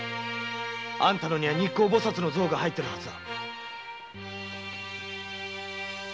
あんたのには「日光菩薩像」が入ってるはずだ！